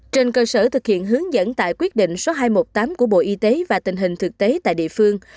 trên cơ sở thực hiện hướng dẫn tại quyết định số hai trăm một mươi tám của bộ y tế và tình hình thực tế tại địa phương